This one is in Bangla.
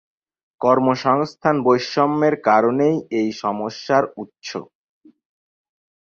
কর্মসংস্থান বৈষম্যের কারণেই এই সমস্যার উৎস।